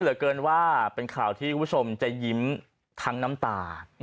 เหลือเกินว่าเป็นข่าวที่คุณผู้ชมจะยิ้มทั้งน้ำตา